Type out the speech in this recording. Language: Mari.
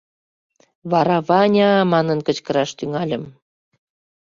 Вара «Ваня!» манын кычкыраш тӱҥальым...